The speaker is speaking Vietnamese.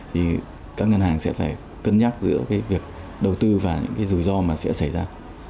thì các ngân hàng sẽ phải cân nhắc giữa cái việc đầu tư và những cái rủi ro mà sẽ xảy ra